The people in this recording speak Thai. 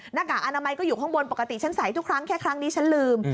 หน้ากากอนามัยก็อยู่ข้างบนปกติฉันใส่ทุกครั้งแค่ครั้งนี้ฉันลืม